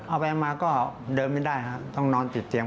เอาไปก็เดินไม่ได้ต้องนอนจิตเตี๊ยง